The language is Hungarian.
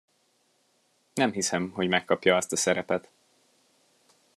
Nem hiszem, hogy megkapja azt a szerepet.